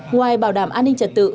ngoài bảo đảm an ninh trật tự